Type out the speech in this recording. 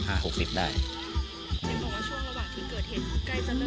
ห้าหกสิบได้อย่างคือโมงงะช่วงระหว่างที่เกิดเหตุ